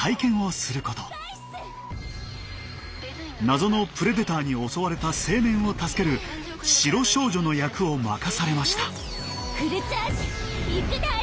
謎のプレデターに襲われた青年を助ける白少女の役を任されました。